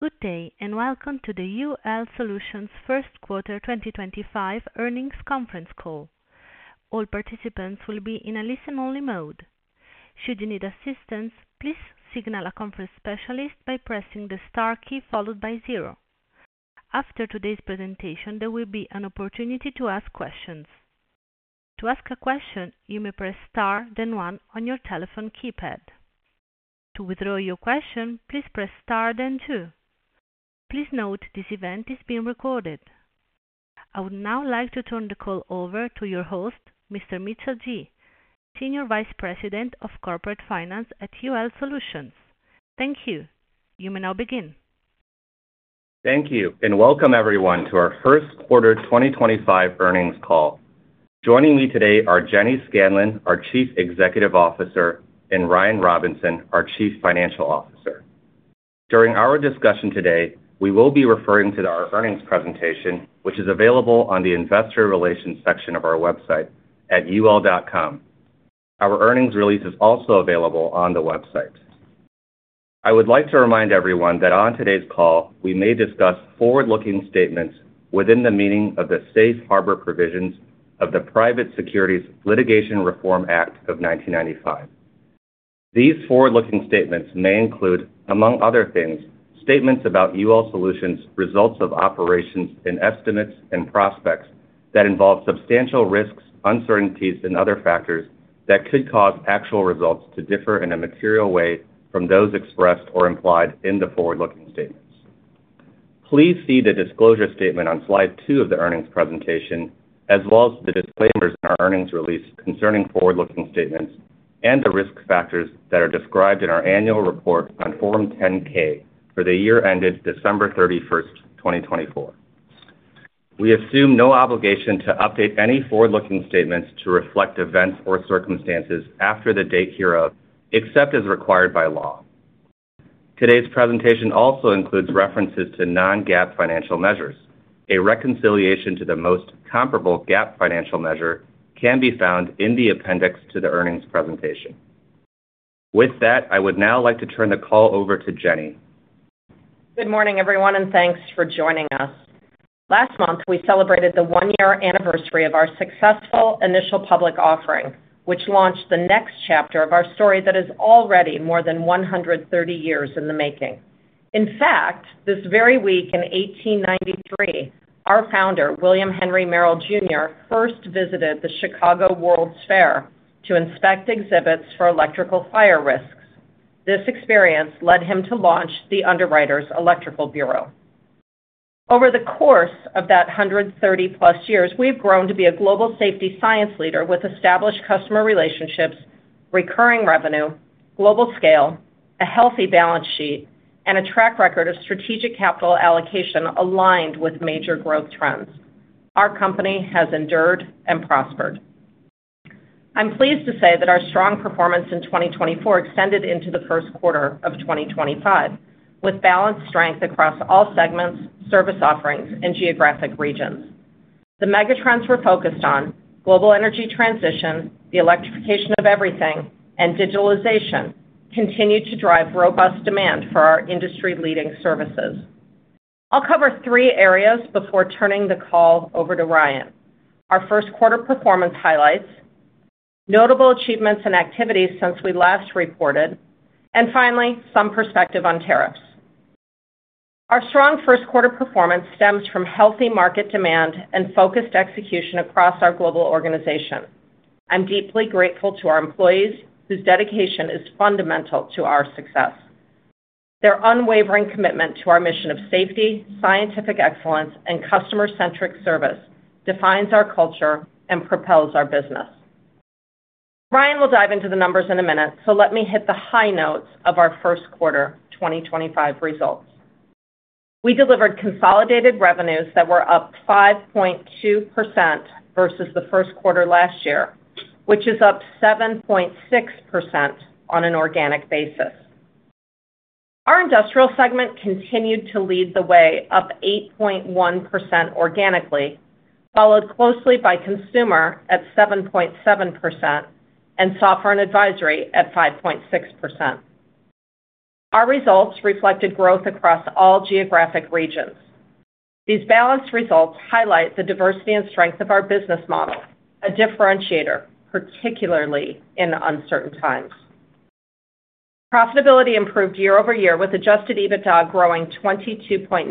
Good day, and welcome to the UL Solutions First Quarter 2025 Earnings Conference Call. All participants will be in a listen-only mode. Should you need assistance, please signal a conference specialist by pressing the star key followed by zero. After today's presentation, there will be an opportunity to ask questions. To ask a question, you may press star, then one, on your telephone keypad. To withdraw your question, please press star, then two. Please note this event is being recorded. I would now like to turn the call over to your host, Mr. Mitchell Ji, Senior Vice President of Corporate Finance at UL Solutions. Thank you. You may now begin. Thank you, and welcome everyone to our First Quarter 2025 Earnings Call. Joining me today are Jenny Scanlon, our Chief Executive Officer, and Ryan Robinson, our Chief Financial Officer. During our discussion today, we will be referring to our earnings presentation, which is available on the Investor Relations section of our website at ul.com. Our earnings release is also available on the website. I would like to remind everyone that on today's call, we may discuss forward-looking statements within the meaning of the safe harbor provisions of the Private Securities Litigation Reform Act of 1995. These forward-looking statements may include, among other things, statements about UL Solutions' results of operations and estimates and prospects that involve substantial risks, uncertainties, and other factors that could cause actual results to differ in a material way from those expressed or implied in the forward-looking statements. Please see the disclosure statement on slide two of the earnings presentation, as well as the disclaimers in our earnings release concerning forward-looking statements and the risk factors that are described in our annual report on Form 10-K for the year ended December 31, 2024. We assume no obligation to update any forward-looking statements to reflect events or circumstances after the date hereof, except as required by law. Today's presentation also includes references to non-GAAP financial measures. A reconciliation to the most comparable GAAP financial measure can be found in the appendix to the earnings presentation. With that, I would now like to turn the call over to Jenny. Good morning, everyone, and thanks for joining us. Last month, we celebrated the one-year anniversary of our successful initial public offering, which launched the next chapter of our story that is already more than 130 years in the making. In fact, this very week in 1893, our founder, William Henry Merrill, Jr., first visited the Chicago World's Fair to inspect exhibits for electrical fire risks. This experience led him to launch the Underwriters Electrical Bureau. Over the course of that 130-plus years, we've grown to be a global safety science leader with established customer relationships, recurring revenue, global scale, a healthy balance sheet, and a track record of strategic capital allocation aligned with major growth trends. Our company has endured and prospered. I'm pleased to say that our strong performance in 2024 extended into the first quarter of 2025, with balanced strength across all segments, service offerings, and geographic regions. The Megatrends we're focused on—global energy transition, the electrification of everything, and digitalization—continue to drive robust demand for our industry-leading services. I'll cover three areas before turning the call over to Ryan. Our first quarter performance highlights, notable achievements and activities since we last reported, and finally, some perspective on tariffs. Our strong first quarter performance stems from healthy market demand and focused execution across our global organization. I'm deeply grateful to our employees, whose dedication is fundamental to our success. Their unwavering commitment to our mission of safety, scientific excellence, and customer-centric service defines our culture and propels our business. Ryan will dive into the numbers in a minute, so let me hit the high notes of our first quarter 2025 results. We delivered consolidated revenues that were up 5.2% versus the first quarter last year, which is up 7.6% on an organic basis. Our industrial segment continued to lead the way up 8.1% organically, followed closely by consumer at 7.7% and software and advisory at 5.6%. Our results reflected growth across all geographic regions. These balanced results highlight the diversity and strength of our business model, a differentiator, particularly in uncertain times. Profitability improved year-over-year, with adjusted EBITDA growing 22.9%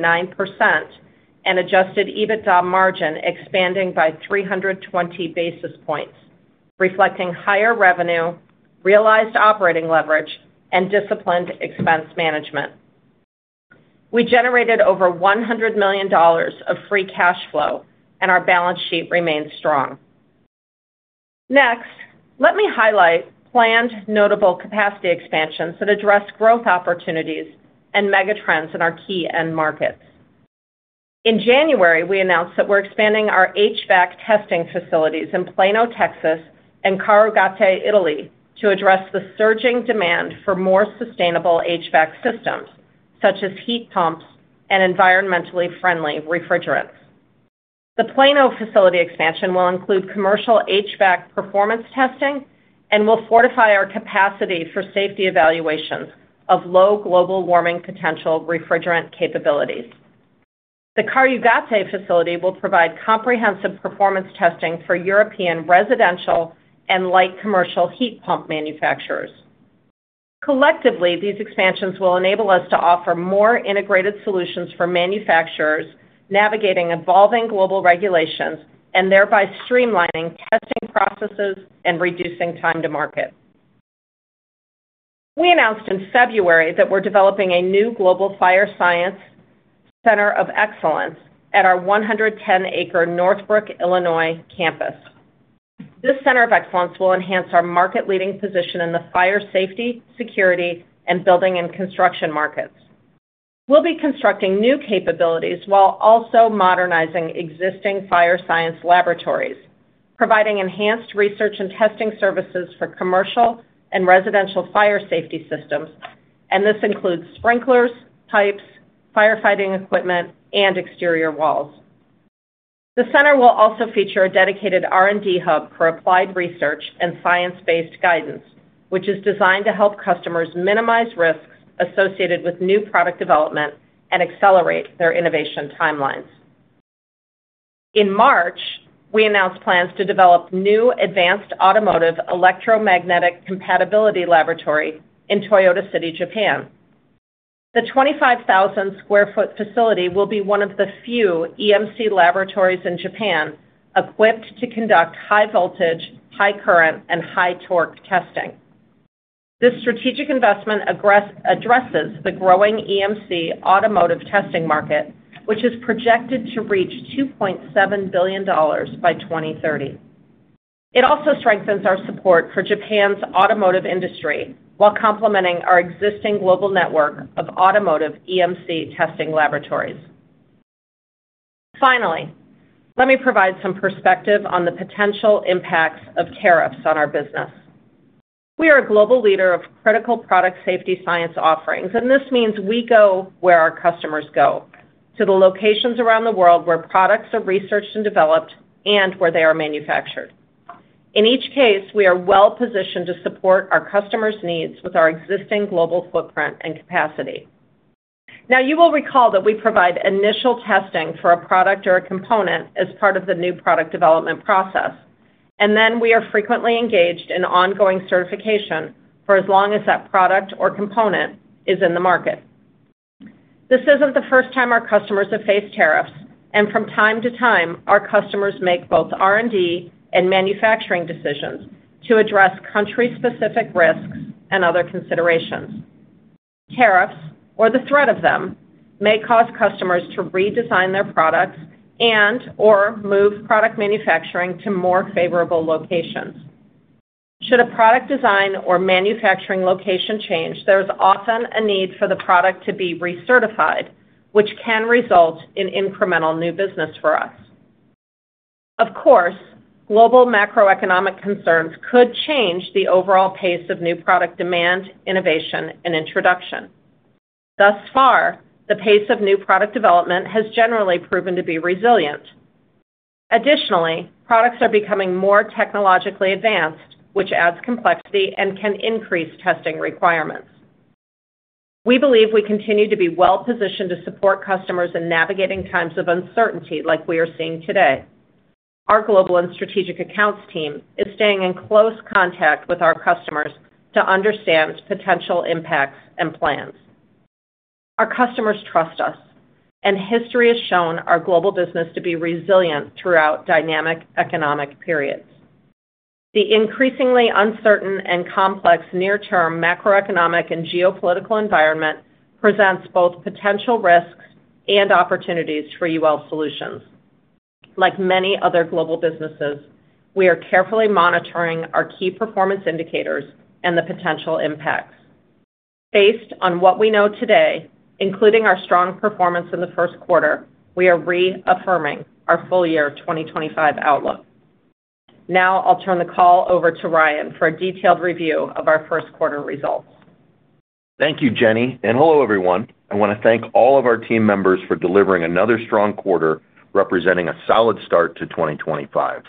and adjusted EBITDA margin expanding by 320 basis points, reflecting higher revenue, realized operating leverage, and disciplined expense management. We generated over $100 million of free cash flow, and our balance sheet remains strong. Next, let me highlight planned notable capacity expansions that address growth opportunities and Megatrends in our key end markets. In January, we announced that we're expanding our HVAC testing facilities in Plano, Texas, and Caro Gatte, Italy, to address the surging demand for more sustainable HVAC systems, such as heat pumps and environmentally friendly refrigerants. The Plano facility expansion will include commercial HVAC performance testing and will fortify our capacity for safety evaluations of low global warming potential refrigerant capabilities. The Caro Gatti facility will provide comprehensive performance testing for European residential and light commercial heat pump manufacturers. Collectively, these expansions will enable us to offer more integrated solutions for manufacturers navigating evolving global regulations and thereby streamlining testing processes and reducing time to market. We announced in February that we're developing a new global fire science center of excellence at our 110-acre Northbrook, Illinois, campus. This center of excellence will enhance our market-leading position in the fire safety, security, and building and construction markets. We'll be constructing new capabilities while also modernizing existing fire science laboratories, providing enhanced research and testing services for commercial and residential fire safety systems, and this includes sprinklers, pipes, firefighting equipment, and exterior walls. The center will also feature a dedicated R&D hub for applied research and science-based guidance, which is designed to help customers minimize risks associated with new product development and accelerate their innovation timelines. In March, we announced plans to develop a New Advanced Automotive Electromagnetic Compatibility Laboratory in Toyota City, Japan. The 25,000 sq ft facility will be one of the few EMC laboratories in Japan equipped to conduct high-voltage, high-current, and high-torque testing. This strategic investment addresses the growing EMC automotive testing market, which is projected to reach $2.7 billion by 2030. It also strengthens our support for Japan's automotive industry while complementing our existing global network of automotive EMC testing laboratories. Finally, let me provide some perspective on the potential impacts of tariffs on our business. We are a global leader of critical product safety science offerings, and this means we go where our customers go, to the locations around the world where products are researched and developed and where they are manufactured. In each case, we are well-positioned to support our customers' needs with our existing global footprint and capacity. Now, you will recall that we provide initial testing for a product or a component as part of the new product development process, and then we are frequently engaged in ongoing certification for as long as that product or component is in the market. This is not the first time our customers have faced tariffs, and from time to time, our customers make both R&D and manufacturing decisions to address country-specific risks and other considerations. Tariffs, or the threat of them, may cause customers to redesign their products and/or move product manufacturing to more favorable locations. Should a product design or manufacturing location change, there is often a need for the product to be recertified, which can result in incremental new business for us. Of course, global macroeconomic concerns could change the overall pace of new product demand, innovation, and introduction. Thus far, the pace of new product development has generally proven to be resilient. Additionally, products are becoming more technologically advanced, which adds complexity and can increase testing requirements. We believe we continue to be well-positioned to support customers in navigating times of uncertainty like we are seeing today. Our global and strategic accounts team is staying in close contact with our customers to understand potential impacts and plans. Our customers trust us, and history has shown our global business to be resilient throughout dynamic economic periods. The increasingly uncertain and complex near-term macroeconomic and geopolitical environment presents both potential risks and opportunities for UL Solutions. Like many other global businesses, we are carefully monitoring our key performance indicators and the potential impacts. Based on what we know today, including our strong performance in the first quarter, we are reaffirming our full year 2025 outlook. Now, I'll turn the call over to Ryan for a detailed review of our first quarter results. Thank you, Jenny. Hello, everyone. I want to thank all of our team members for delivering another strong quarter, representing a solid start to 2025.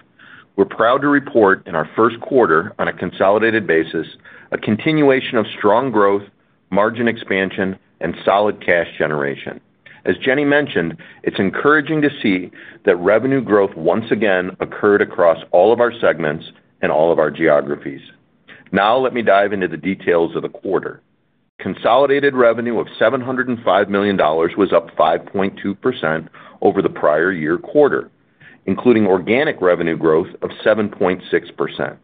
We're proud to report in our first quarter, on a consolidated basis, a continuation of strong growth, margin expansion, and solid cash generation. As Jenny mentioned, it's encouraging to see that revenue growth once again occurred across all of our segments and all of our geographies. Now, let me dive into the details of the quarter. Consolidated revenue of $705 million was up 5.2% over the prior year quarter, including organic revenue growth of 7.6%.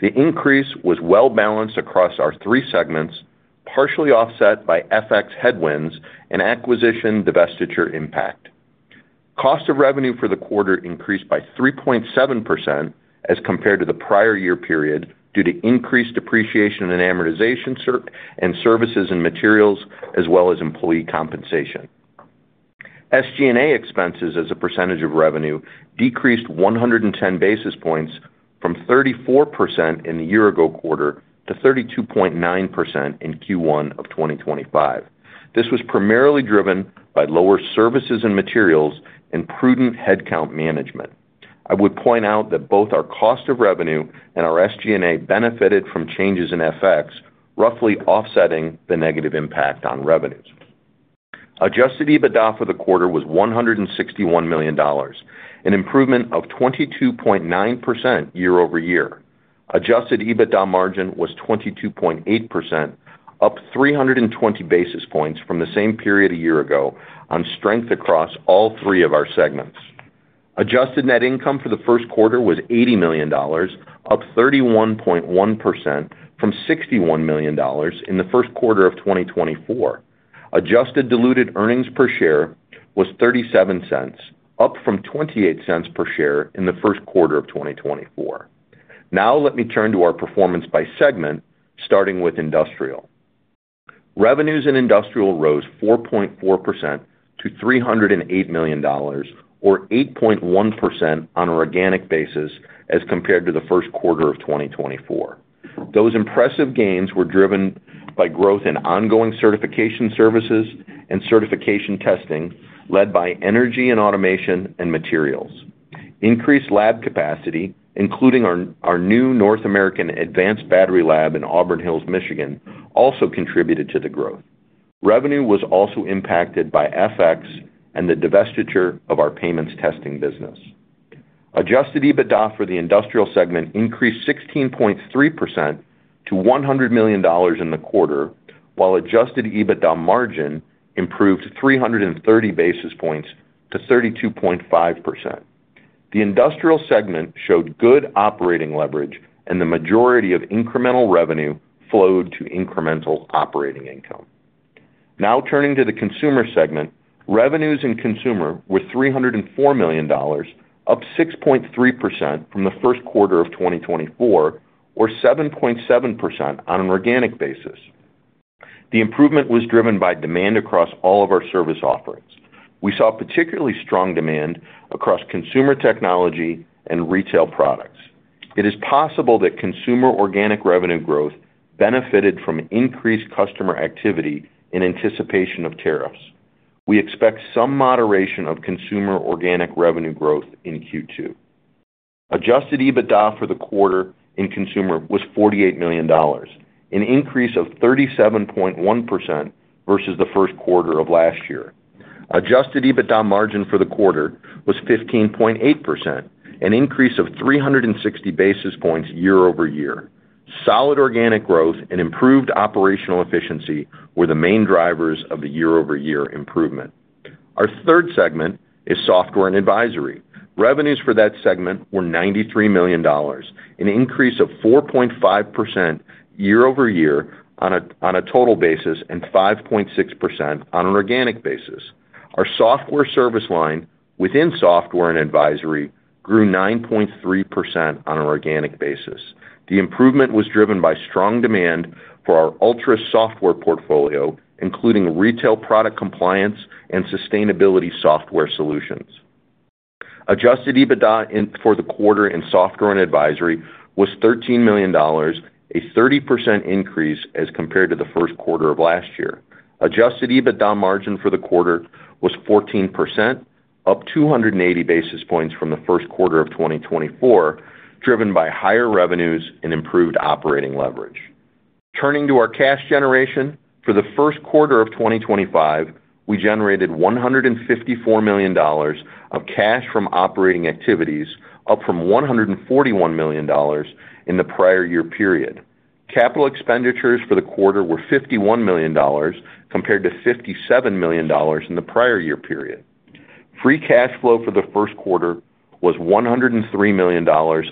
The increase was well-balanced across our three segments, partially offset by FX headwinds and acquisition divestiture impact. Cost of revenue for the quarter increased by 3.7% as compared to the prior year period due to increased depreciation and amortization and services and materials, as well as employee compensation. SG&A expenses, as a percentage of revenue, decreased 110 basis points from 34% in the year-ago quarter to 32.9% in Q1 of 2025. This was primarily driven by lower services and materials and prudent headcount management. I would point out that both our cost of revenue and our SG&A benefited from changes in FX, roughly offsetting the negative impact on revenues. Adjusted EBITDA for the quarter was $161 million, an improvement of 22.9% year-over-year. Adjusted EBITDA margin was 22.8%, up 320 basis points from the same period a year ago on strength across all three of our segments. Adjusted net income for the first quarter was $80 million, up 31.1% from $61 million in the first quarter of 2024. Adjusted diluted earnings per share was $0.37, up from $0.28 per share in the first quarter of 2024. Now, let me turn to our performance by segment, starting with industrial. Revenues in industrial rose 4.4% to $308 million, or 8.1% on an organic basis as compared to the first quarter of 2024. Those impressive gains were driven by growth in ongoing certification services and certification testing led by energy and automation and materials. Increased lab capacity, including our new North American Advanced Battery Lab in Auburn Hills, Michigan, also contributed to the growth. Revenue was also impacted by FX and the divestiture of our payments testing business. Adjusted EBITDA for the industrial segment increased 16.3% to $100 million in the quarter, while adjusted EBITDA margin improved 330 basis points to 32.5%. The industrial segment showed good operating leverage, and the majority of incremental revenue flowed to incremental operating income. Now, turning to the consumer segment, revenues in consumer were $304 million, up 6.3% from the first quarter of 2024, or 7.7% on an organic basis. The improvement was driven by demand across all of our service offerings. We saw particularly strong demand across consumer technology and retail products. It is possible that consumer organic revenue growth benefited from increased customer activity in anticipation of tariffs. We expect some moderation of consumer organic revenue growth in Q2. Adjusted EBITDA for the quarter in consumer was $48 million, an increase of 37.1% versus the first quarter of last year. Adjusted EBITDA margin for the quarter was 15.8%, an increase of 360 basis points year-over-year. Solid organic growth and improved operational efficiency were the main drivers of the year-over-year improvement. Our third segment is software and advisory. Revenues for that segment were $93 million, an increase of 4.5% year-over-year on a total basis and 5.6% on an organic basis. Our software service line within software and advisory grew 9.3% on an organic basis. The improvement was driven by strong demand for our Ultra-Software Portfolio, including Retail Product Compliance and Sustainability Software Solutions. Adjusted EBITDA for the quarter in Software and Advisory was $13 million, a 30% increase as compared to the first quarter of last year. Adjusted EBITDA margin for the quarter was 14%, up 280 basis points from the first quarter of 2024, driven by higher revenues and improved operating leverage. Turning to our cash generation, for the first quarter of 2025, we generated $154 million of cash from operating activities, up from $141 million in the prior year period. Capital expenditures for the quarter were $51 million compared to $57 million in the prior year period. Free cash flow for the first quarter was $103 million,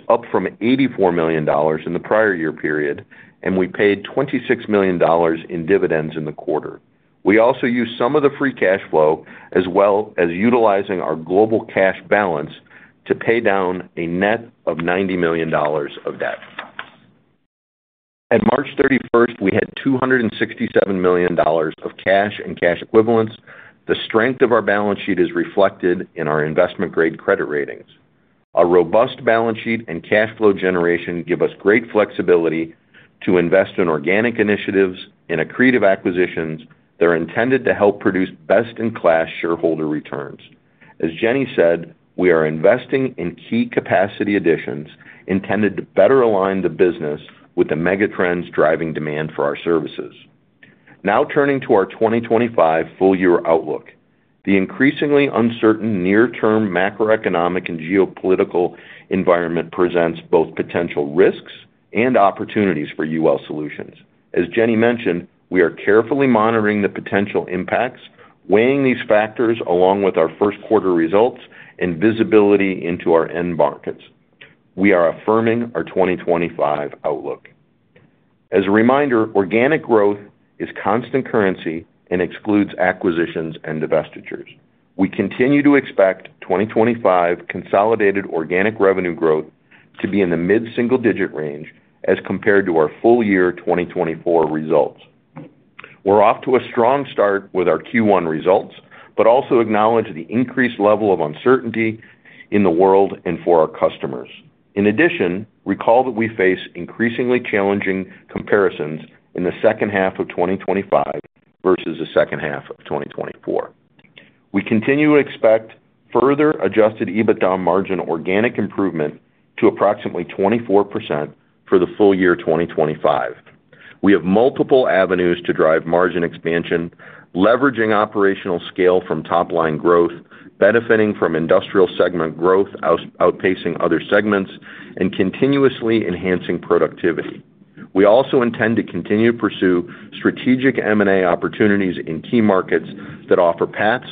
up from $84 million in the prior year period, and we paid $26 million in dividends in the quarter. We also used some of the free cash flow as well as utilizing our global cash balance to pay down a net of $90 million of debt. At March 31, we had $267 million of cash and cash equivalents. The strength of our balance sheet is reflected in our investment-grade credit ratings. Our robust balance sheet and cash flow generation give us great flexibility to invest in organic initiatives and accretive acquisitions that are intended to help produce best-in-class shareholder returns. As Jenny said, we are investing in key capacity additions intended to better align the business with the megatrends driving demand for our services. Now, turning to our 2025 full-year outlook, the increasingly uncertain near-term macroeconomic and geopolitical environment presents both potential risks and opportunities for UL Solutions. As Jenny mentioned, we are carefully monitoring the potential impacts, weighing these factors along with our first quarter results and visibility into our end markets. We are affirming our 2025 outlook. As a reminder, organic growth is constant currency and excludes acquisitions and divestitures. We continue to expect 2025 consolidated organic revenue growth to be in the mid-single-digit range as compared to our full-year 2024 results. We're off to a strong start with our Q1 results, but also acknowledge the increased level of uncertainty in the world and for our customers. In addition, recall that we face increasingly challenging comparisons in the second half of 2025 versus the second half of 2024. We continue to expect further adjusted EBITDA margin organic improvement to approximately 24% for the full year 2025. We have multiple avenues to drive margin expansion, leveraging operational scale from top-line growth, benefiting from industrial segment growth outpacing other segments, and continuously enhancing productivity. We also intend to continue to pursue strategic M&A opportunities in key markets that offer paths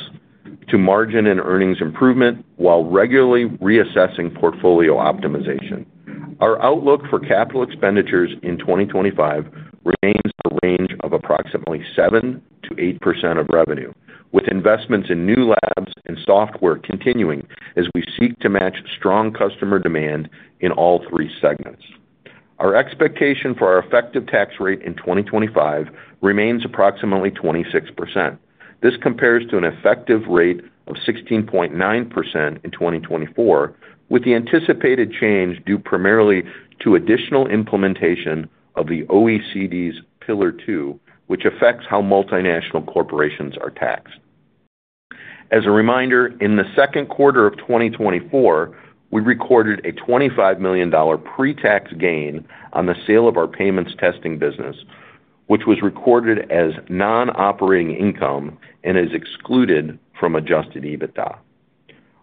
to margin and earnings improvement while regularly reassessing portfolio optimization. Our outlook for capital expenditures in 2025 remains a range of approximately 7% to 8% of revenue, with investments in new labs and software continuing as we seek to match strong customer demand in all three segments. Our expectation for our effective tax rate in 2025 remains approximately 26%. This compares to an effective rate of 16.9% in 2024, with the anticipated change due primarily to additional implementation of the OECD's Pillar II, which affects how multinational corporations are taxed. As a reminder, in the second quarter of 2024, we recorded a $25 million pre-tax gain on the sale of our payments testing business, which was recorded as non-operating income and is excluded from adjusted EBITDA.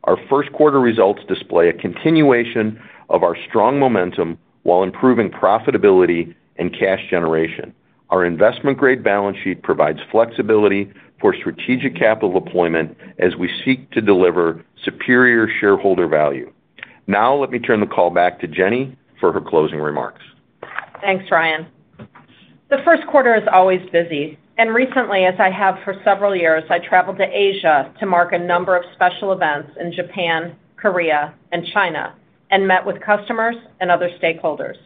Our first quarter results display a continuation of our strong momentum while improving profitability and cash generation. Our investment-grade balance sheet provides flexibility for strategic capital deployment as we seek to deliver superior shareholder value. Now, let me turn the call back to Jenny for her closing remarks. Thanks, Ryan. The first quarter is always busy. Recently, as I have for several years, I traveled to Asia to mark a number of special events in Japan, Korea, and China, and met with customers and other stakeholders.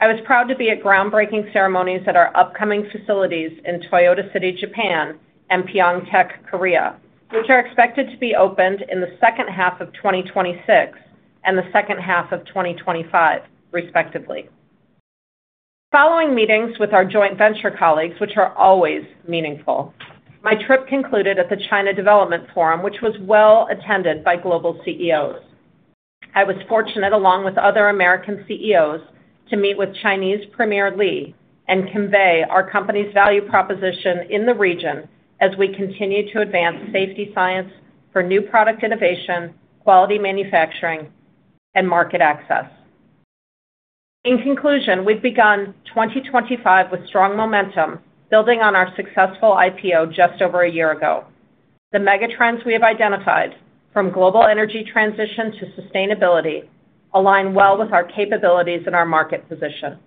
I was proud to be at groundbreaking ceremonies at our upcoming facilities in Toyota City, Japan, and Pyeongtaek, Korea, which are expected to be opened in the second half of 2026 and the second half of 2025, respectively. Following meetings with our joint venture colleagues, which are always meaningful, my trip concluded at the China Development Forum, which was well attended by global CEOs. I was fortunate, along with other American CEOs, to meet with Chinese Premier Li and convey our company's value proposition in the region as we continue to advance safety science for new product innovation, quality manufacturing, and market access. In conclusion, we've begun 2025 with strong momentum, building on our successful IPO just over a year ago. The megatrends we have identified, from global energy transition to sustainability, align well with our capabilities and our market position.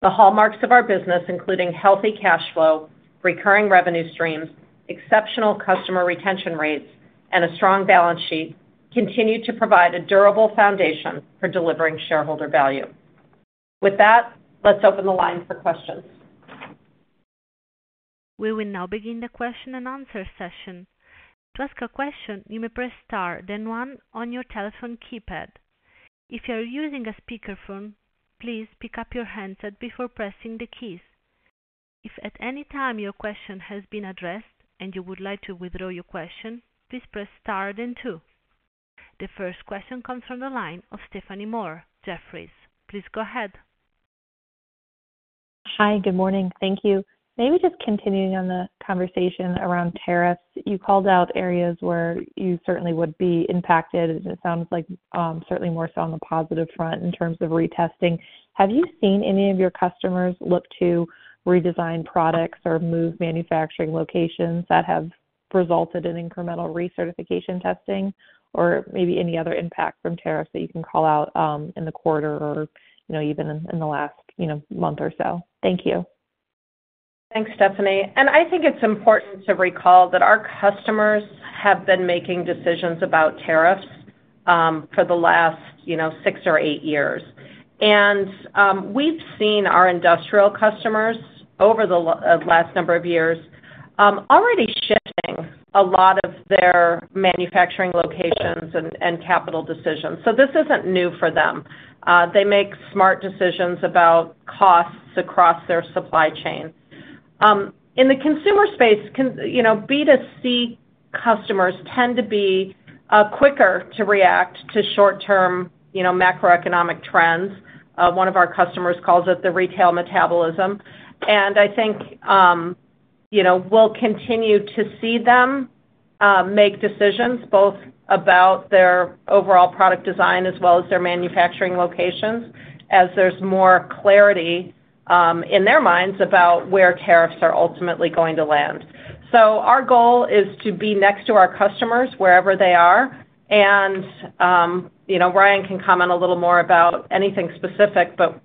The hallmarks of our business, including healthy cash flow, recurring revenue streams, exceptional customer retention rates, and a strong balance sheet, continue to provide a durable foundation for delivering shareholder value. With that, let's open the line for questions. We will now begin the question and answer session. To ask a question, you may press Star, then one on your telephone keypad. If you are using a speakerphone, please pick up your handset before pressing the keys. If at any time your question has been addressed and you would like to withdraw your question, please press star, then two. The first question comes from the line of Stephanie Moore. Jefferies, please go ahead. Hi, good morning. Thank you. Maybe just continuing on the conversation around tariffs, you called out areas where you certainly would be impacted, and it sounds like certainly more so on the positive front in terms of retesting. Have you seen any of your customers look to redesign products or move manufacturing locations that have resulted in incremental recertification testing, or maybe any other impact from tariffs that you can call out in the quarter or even in the last month or so? Thank you. Thanks, Stephanie. I think it's important to recall that our customers have been making decisions about tariffs for the last six or eight years. We've seen our industrial customers over the last number of years already shifting a lot of their manufacturing locations and capital decisions. This isn't new for them. They make smart decisions about costs across their supply chain. In the consumer space, B2C customers tend to be quicker to react to short-term macroeconomic trends. One of our customers calls it the retail metabolism. I think we'll continue to see them make decisions both about their overall product design as well as their manufacturing locations as there's more clarity in their minds about where tariffs are ultimately going to land. Our goal is to be next to our customers wherever they are. Ryan can comment a little more about anything specific, but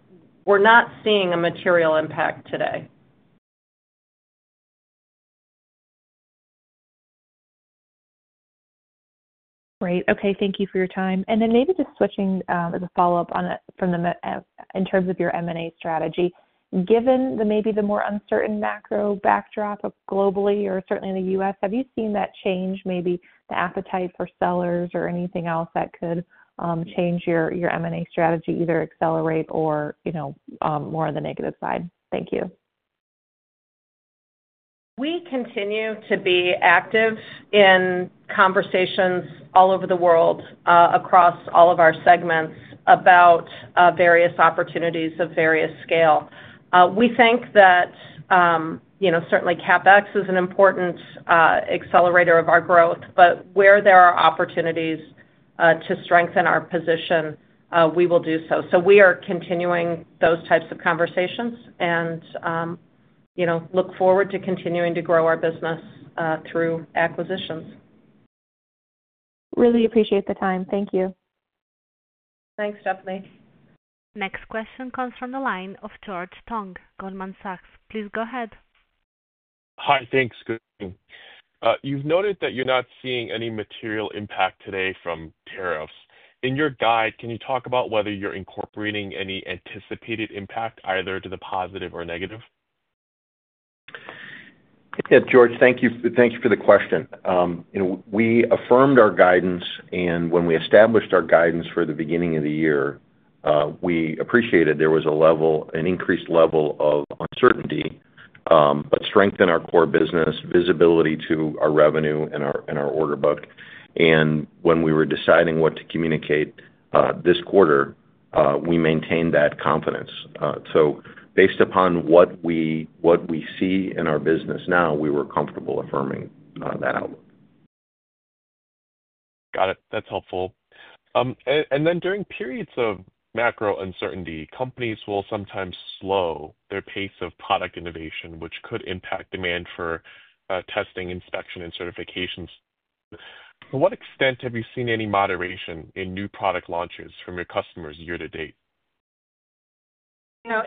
we're not seeing a material impact today. Great. Okay. Thank you for your time. Maybe just switching as a follow-up from in terms of your M&A strategy. Given maybe the more uncertain macro backdrop globally or certainly in the U.S., have you seen that change, maybe the appetite for sellers or anything else that could change your M&A strategy, either accelerate or more on the negative side? Thank you. We continue to be active in conversations all over the world across all of our segments about various opportunities of various scale. We think that certainly CapEx is an important accelerator of our growth, but where there are opportunities to strengthen our position, we will do so. We are continuing those types of conversations and look forward to continuing to grow our business through acquisitions. Really appreciate the time. Thank you. Thanks, Stephanie. Next question comes from the line of George Tong, Goldman Sachs. Please go ahead. Hi, thanks. Good morning. You've noted that you're not seeing any material impact today from tariffs. In your guide, can you talk about whether you're incorporating any anticipated impact, either to the positive or negative? Yeah, George, thank you for the question. We affirmed our guidance, and when we established our guidance for the beginning of the year, we appreciated there was an increased level of uncertainty but strengthened our core business visibility to our revenue and our order book. When we were deciding what to communicate this quarter, we maintained that confidence. Based upon what we see in our business now, we were comfortable affirming that outlook. Got it. That's helpful. During periods of macro uncertainty, companies will sometimes slow their pace of product innovation, which could impact demand for testing, inspection, and certifications. To what extent have you seen any moderation in new product launches from your customers year to date?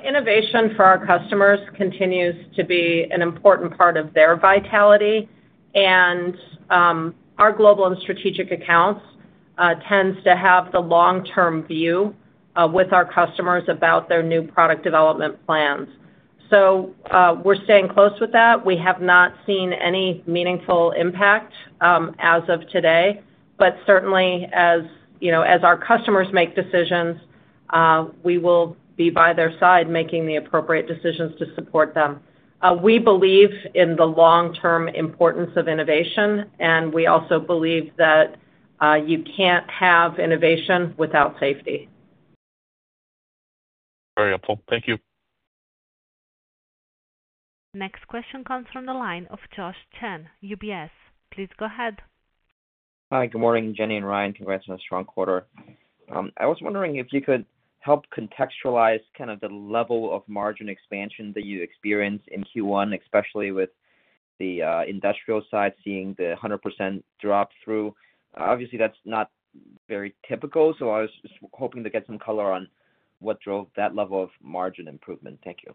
Innovation for our customers continues to be an important part of their vitality. Our global and strategic accounts tend to have the long-term view with our customers about their new product development plans. We are staying close with that. We have not seen any meaningful impact as of today. Certainly, as our customers make decisions, we will be by their side making the appropriate decisions to support them. We believe in the long-term importance of innovation, and we also believe that you can't have innovation without safety. Very helpful. Thank you. Next question comes from the line of Josh Chen, UBS. Please go ahead. Hi, good morning, Jenny and Ryan. Congrats on a strong quarter. I was wondering if you could help contextualize kind of the level of margin expansion that you experienced in Q1, especially with the industrial side seeing the 100% drop-through. Obviously, that's not very typical. I was just hoping to get some color on what drove that level of margin improvement. Thank you.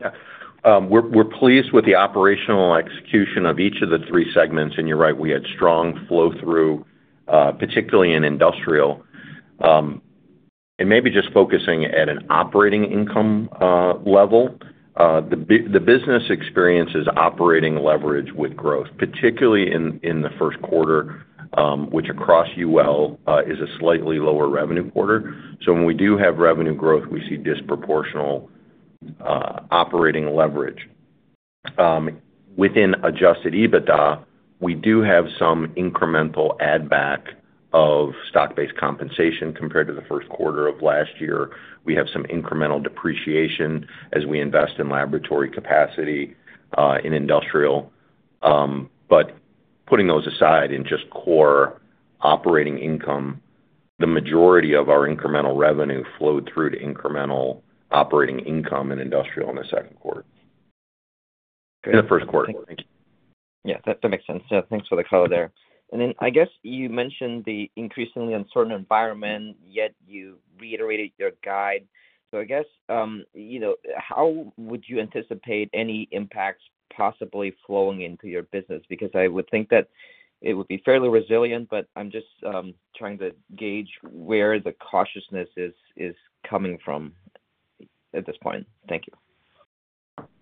Yeah. We're pleased with the operational execution of each of the three segments. You're right, we had strong flow-through, particularly in industrial. Maybe just focusing at an operating income level, the business experiences operating leverage with growth, particularly in the first quarter, which across UL is a slightly lower revenue quarter. When we do have revenue growth, we see disproportional operating leverage. Within adjusted EBITDA, we do have some incremental add-back of stock-based compensation compared to the first quarter of last year. We have some incremental depreciation as we invest in laboratory capacity in industrial. Putting those aside in just core operating income, the majority of our incremental revenue flowed through to incremental operating income in industrial in the second quarter. In the first quarter. Thank you. Yeah, that makes sense. Yeah, thanks for the color there. I guess you mentioned the increasingly uncertain environment, yet you reiterated your guide. I guess how would you anticipate any impacts possibly flowing into your business? I would think that it would be fairly resilient, but I'm just trying to gauge where the cautiousness is coming from at this point. Thank you.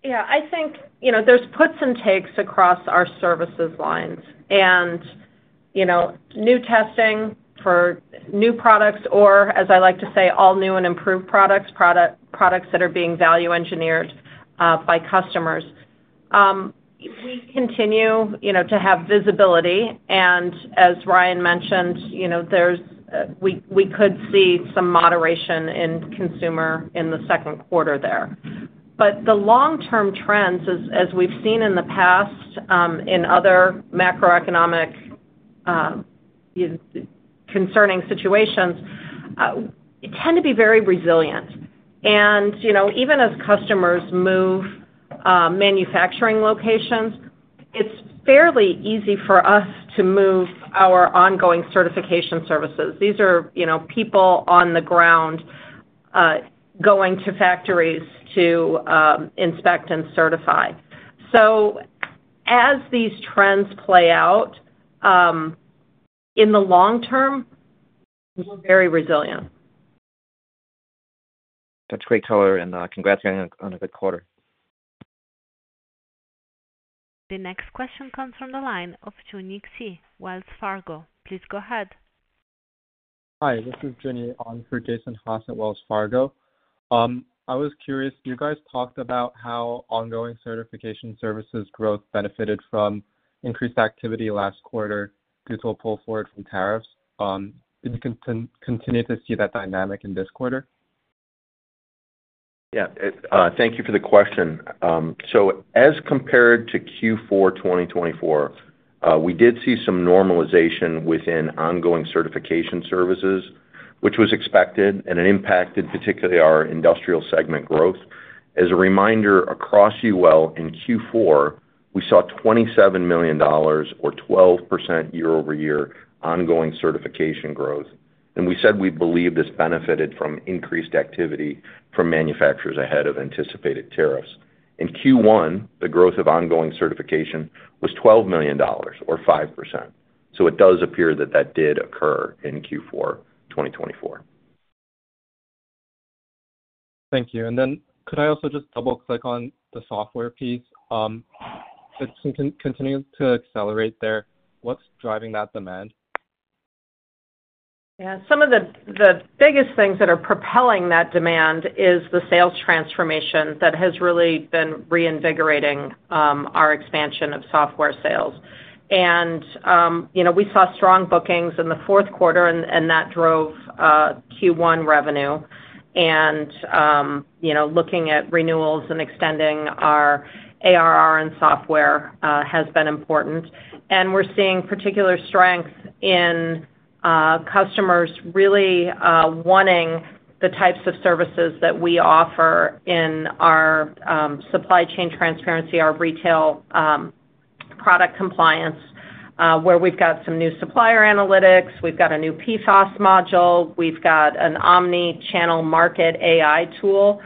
Yeah, I think there's puts and takes across our services lines. New testing for new products, or as I like to say, all new and improved products, products that are being value-engineered by customers. We continue to have visibility. As Ryan mentioned, we could see some moderation in consumer in the second quarter there. The long-term trends, as we've seen in the past in other macroeconomic concerning situations, tend to be very resilient. Even as customers move manufacturing locations, it's fairly easy for us to move our ongoing certification services. These are people on the ground going to factories to inspect and certify. As these trends play out, in the long term, we're very resilient. That's great color, and congrats on a good quarter. The next question comes from the line of Jun Yixi, Wells Fargo. Please go ahead. Hi, this is Jun Yixi for Jason Haas at Wells Fargo. I was curious, you guys talked about how ongoing certification services growth benefited from increased activity last quarter due to a pull forward from tariffs. Do you continue to see that dynamic in this quarter? Yeah. Thank you for the question. As compared to Q4 2024, we did see some normalization within ongoing certification services, which was expected and it impacted particularly our industrial segment growth. As a reminder, across UL in Q4, we saw $27 million, or 12% year-over-year, ongoing certification growth. We said we believe this benefited from increased activity from manufacturers ahead of anticipated tariffs. In Q1, the growth of ongoing certification was $12 million, or 5%. It does appear that that did occur in Q4 2024. Thank you. Could I also just double-click on the software piece? It's continuing to accelerate there. What's driving that demand? Yeah. Some of the biggest things that are propelling that demand is the sales transformation that has really been reinvigorating our expansion of software sales. We saw strong bookings in the fourth quarter, and that drove Q1 revenue. Looking at renewals and extending our ARR in software has been important. We are seeing particular strength in customers really wanting the types of services that we offer in our supply chain transparency, our retail product compliance, where we have some new supplier analytics, we have a new PFAS module, we have an omnichannel market AI tool.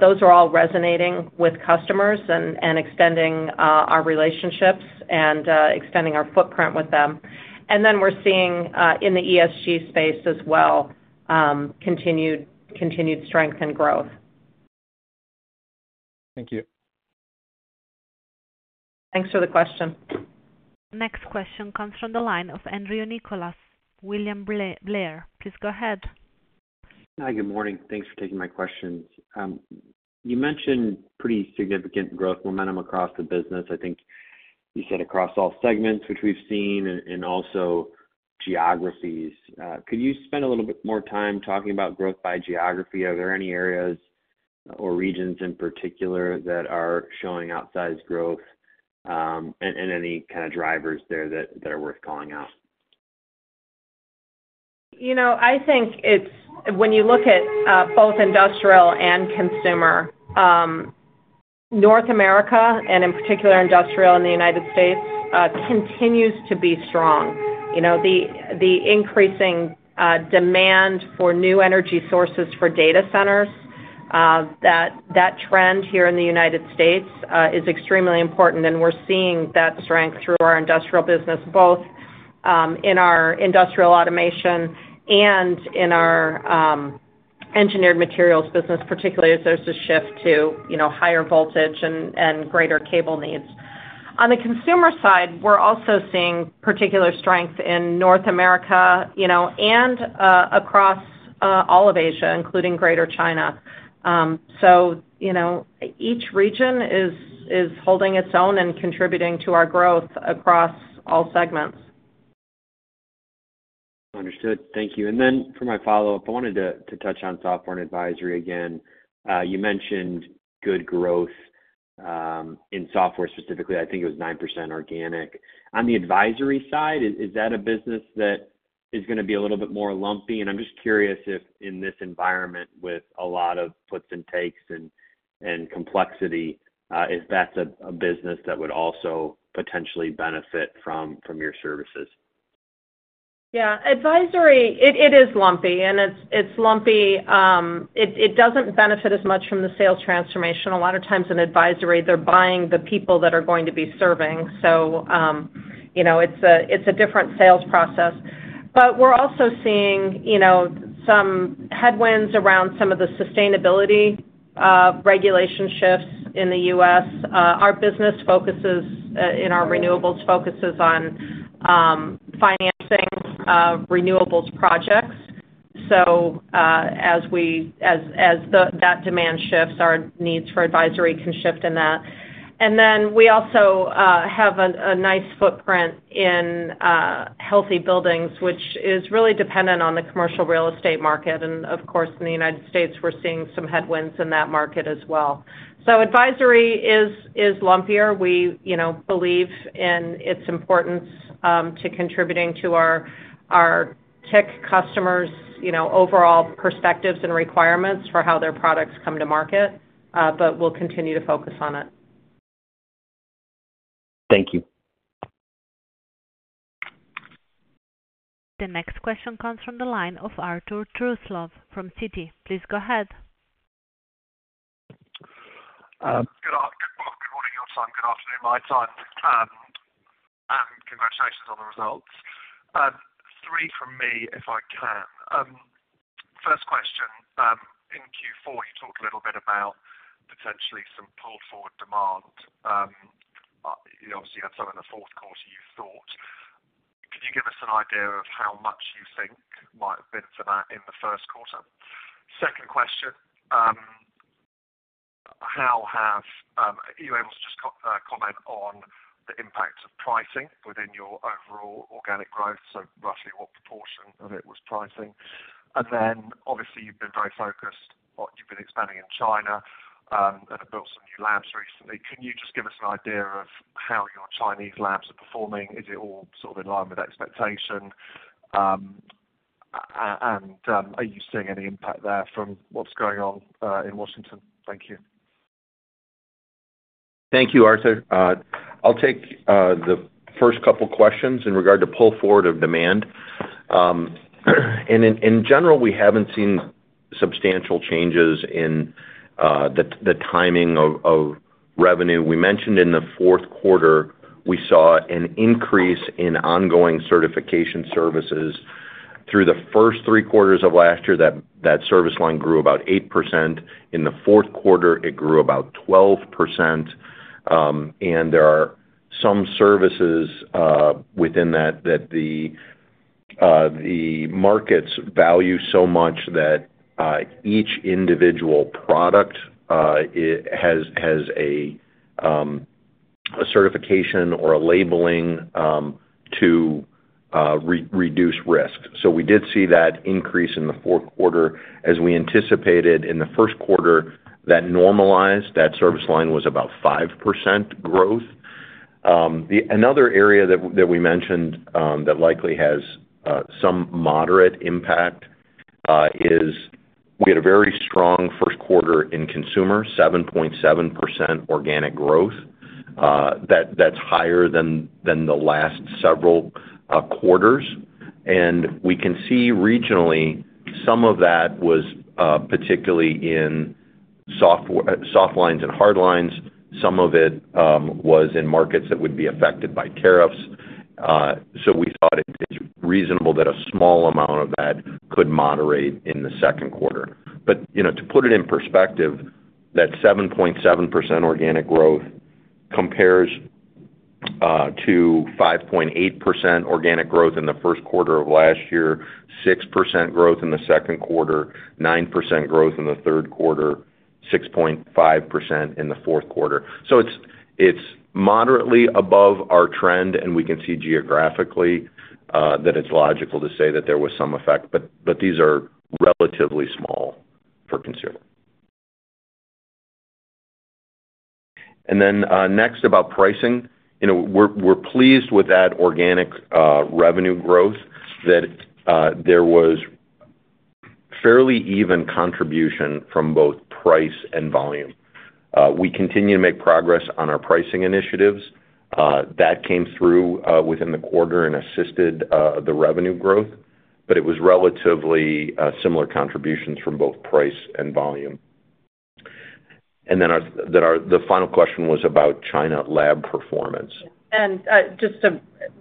Those are all resonating with customers and extending our relationships and extending our footprint with them. We are seeing in the ESG space as well, continued strength and growth. Thank you. Thanks for the question. Next question comes from the line of Andrew Nicholas, William Blair. Please go ahead. Hi, good morning. Thanks for taking my questions. You mentioned pretty significant growth momentum across the business. I think you said across all segments, which we've seen, and also geographies. Could you spend a little bit more time talking about growth by geography? Are there any areas or regions in particular that are showing outsized growth and any kind of drivers there that are worth calling out? I think when you look at both industrial and consumer, North America and in particular industrial in the United States continues to be strong. The increasing demand for new energy sources for data centers, that trend here in the United States is extremely important. We are seeing that strength through our industrial business, both in our industrial automation and in our engineered materials business, particularly as there is a shift to higher voltage and greater cable needs. On the consumer side, we are also seeing particular strength in North America and across all of Asia, including Greater China. Each region is holding its own and contributing to our growth across all segments. Understood. Thank you. For my follow-up, I wanted to touch on software and advisory again. You mentioned good growth in software specifically. I think it was 9% organic. On the advisory side, is that a business that is going to be a little bit more lumpy? I am just curious if in this environment with a lot of puts and takes and complexity, if that is a business that would also potentially benefit from your services. Yeah. Advisory, it is lumpy, and it's lumpy. It doesn't benefit as much from the sales transformation. A lot of times in advisory, they're buying the people that are going to be serving. So it's a different sales process. We're also seeing some headwinds around some of the sustainability regulation shifts in the U.S. Our business focuses in our renewables focuses on financing renewables projects. As that demand shifts, our needs for advisory can shift in that. We also have a nice footprint in healthy buildings, which is really dependent on the commercial real estate market. Of course, in the United States, we're seeing some headwinds in that market as well. Advisory is lumpier. We believe in its importance to contributing to our tech customers' overall perspectives and requirements for how their products come to market, but we'll continue to focus on it. Thank you. The next question comes from the line of Arthur Truslov from Citi. Please go ahead. Good afternoon. Good morning, your time. Good afternoon, my time. And congratulations on the results. Three from me if I can. First question, in Q4, you talked a little bit about potentially some pull-forward demand. You obviously had some in the fourth quarter, you thought. Can you give us an idea of how much you think might have been for that in the first quarter? Second question, how have you able to just comment on the impact of pricing within your overall organic growth? So roughly what proportion of it was pricing? And then obviously, you've been very focused on what you've been expanding in China and have built some new labs recently. Can you just give us an idea of how your Chinese labs are performing? Is it all sort of in line with expectation? And are you seeing any impact there from what's going on in Washington? Thank you. Thank you, Arthur. I'll take the first couple of questions in regard to pull forward of demand. In general, we haven't seen substantial changes in the timing of revenue. We mentioned in the fourth quarter, we saw an increase in ongoing certification services. Through the first three quarters of last year, that service line grew about 8%. In the fourth quarter, it grew about 12%. There are some services within that that the markets value so much that each individual product has a certification or a labeling to reduce risk. We did see that increase in the fourth quarter. As we anticipated in the first quarter, that normalized, that service line was about 5% growth. Another area that we mentioned that likely has some moderate impact is we had a very strong first quarter in consumer, 7.7% organic growth. That's higher than the last several quarters. We can see regionally, some of that was particularly in soft lines and hard lines. Some of it was in markets that would be affected by tariffs. We thought it's reasonable that a small amount of that could moderate in the second quarter. To put it in perspective, that 7.7% organic growth compares to 5.8% organic growth in the first quarter of last year, 6% growth in the second quarter, 9% growth in the third quarter, 6.5% in the fourth quarter. It's moderately above our trend, and we can see geographically that it's logical to say that there was some effect. These are relatively small for consumer. Next, about pricing, we're pleased with that organic revenue growth that there was fairly even contribution from both price and volume. We continue to make progress on our pricing initiatives. That came through within the quarter and assisted the revenue growth, but it was relatively similar contributions from both price and volume. The final question was about China lab performance. Just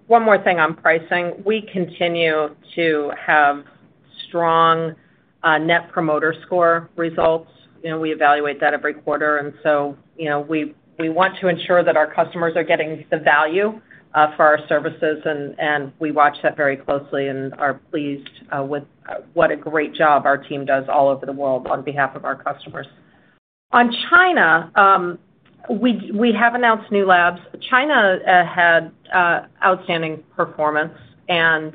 one more thing on pricing. We continue to have strong net promoter score results. We evaluate that every quarter. We want to ensure that our customers are getting the value for our services, and we watch that very closely and are pleased with what a great job our team does all over the world on behalf of our customers. On China, we have announced new labs. China had outstanding performance and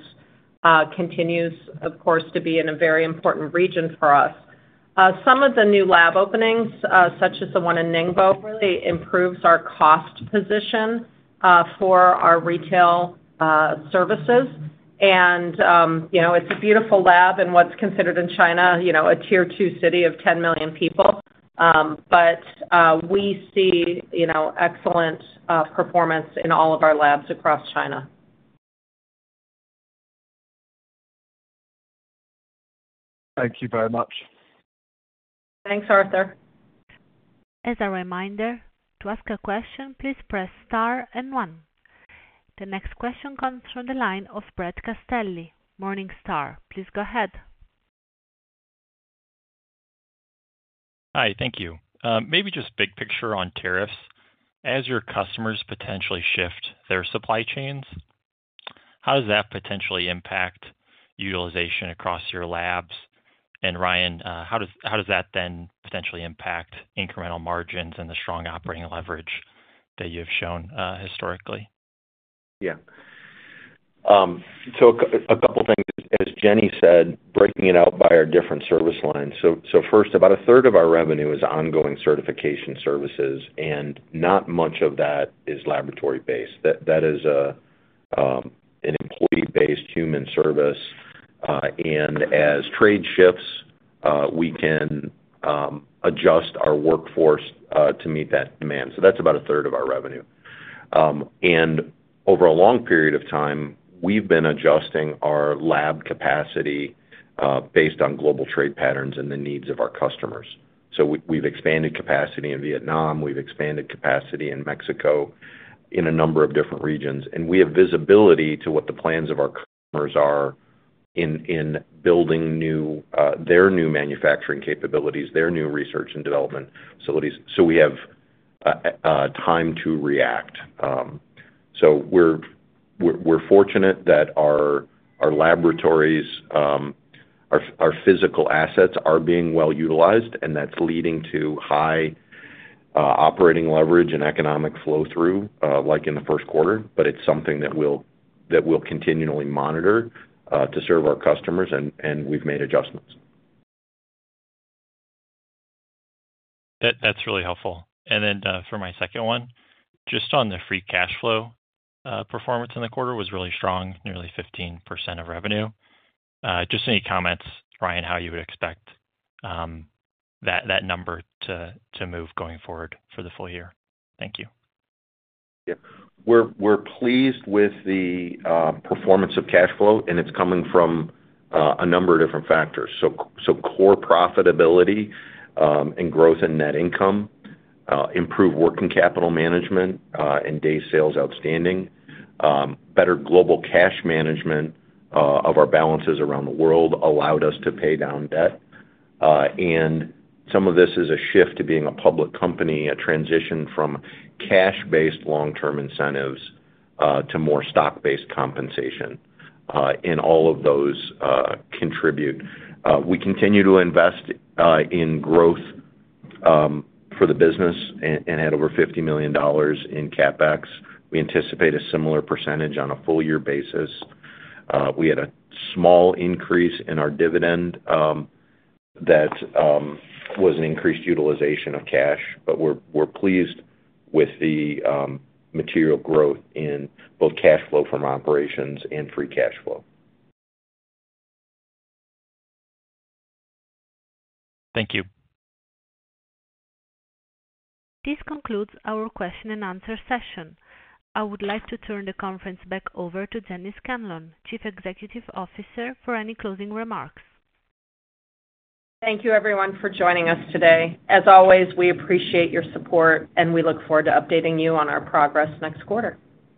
continues, of course, to be a very important region for us. Some of the new lab openings, such as the one in Ningbo, really improves our cost position for our retail services. It is a beautiful lab in what is considered in China a tier two city of 10 million people, but we see excellent performance in all of our labs across China. Thank you very much. Thanks, Arthur. As a reminder, to ask a question, please press star and one. The next question comes from the line of Brett Castelli. Morningstar, please go ahead. Hi, thank you. Maybe just big picture on tariffs. As your customers potentially shift their supply chains, how does that potentially impact utilization across your labs? Ryan, how does that then potentially impact incremental margins and the strong operating leverage that you have shown historically? Yeah. A couple of things, as Jenny said, breaking it out by our different service lines. First, about a third of our revenue is ongoing certification services, and not much of that is laboratory-based. That is an employee-based human service. As trade shifts, we can adjust our workforce to meet that demand. That is about a third of our revenue. Over a long period of time, we have been adjusting our lab capacity based on global trade patterns and the needs of our customers. We have expanded capacity in Vietnam. We have expanded capacity in Mexico in a number of different regions. We have visibility to what the plans of our customers are in building their new manufacturing capabilities, their new research and development facilities. We have time to react. We are fortunate that our laboratories, our physical assets are being well utilized, and that's leading to high operating leverage and economic flow-through like in the first quarter. It is something that we will continually monitor to serve our customers, and we have made adjustments. That's really helpful. For my second one, just on the free cash flow performance in the quarter was really strong, nearly 15% of revenue. Just any comments, Ryan, how you would expect that number to move going forward for the full year? Thank you. Yeah. We're pleased with the performance of cash flow, and it's coming from a number of different factors. Core profitability and growth in net income, improved working capital management, and days sales outstanding. Better global cash management of our balances around the world allowed us to pay down debt. Some of this is a shift to being a public company, a transition from cash-based long-term incentives to more stock-based compensation. All of those contribute. We continue to invest in growth for the business and had over $50 million in CapEx. We anticipate a similar percentage on a full-year basis. We had a small increase in our dividend that was an increased utilization of cash, but we're pleased with the material growth in both cash flow from operations and free cash flow. Thank you. This concludes our question and answer session. I would like to turn the conference back over to Jenny Scanlon, Chief Executive Officer, for any closing remarks. Thank you, everyone, for joining us today. As always, we appreciate your support, and we look forward to updating you on our progress next quarter.